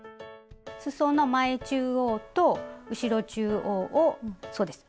すその前中央と後ろ中央をそうです